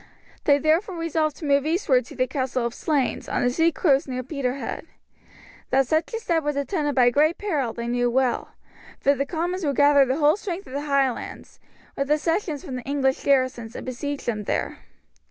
They therefore resolved to move eastward to the Castle of Slaines, on the sea coast near Peterhead. That such a step was attended by great peril they well knew, for the Comyns would gather the whole strength of the Highlands, with accessions from the English garrisons, and besiege them there.